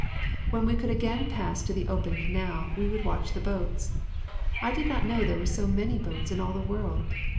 When we could again pass to the open canal we would watch the boats. I did not know there were so many boats in all the world.